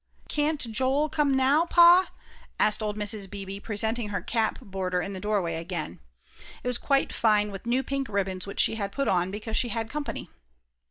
"Can't Joel come now, Pa?" asked old Mrs. Beebe, presenting her cap border in the doorway again. It was quite fine, with new pink ribbons which she had put on because she had company.